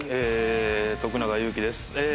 徳永ゆうきです。